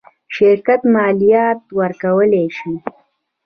شرکت مالیات ورکولی شي.